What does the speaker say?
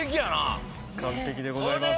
完璧でございます。